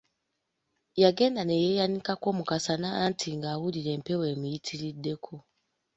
Yagenda ne yeeyanikako mu kasana anti nga awulira empewo emuyitiriddeko.